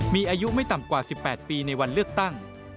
มีอายุไม่ต่ำกว่า๑๘ปีในวันเลือกตั้ง